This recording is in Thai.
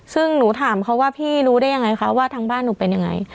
ซึ่งหนูถามเขาว่าพี่รู้ได้ยังไงคะว่าทางบ้านหนูเป็นยังไง